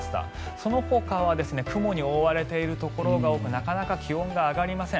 そのほかは雲に覆われているところが多くなかなか気温が上がりません。